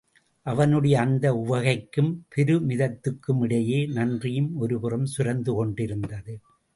அவனுடைய அந்த உவகைக்கும் பெருமிதத்துக்குமிடையே நன்றியும் ஒருபுறம் சுரந்து கொண்டிருந்தது.